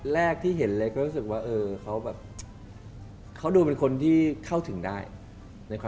แรกที่เห็นเลยก็รู้สึกมันดูเป็นคนที่เข้าถึงได้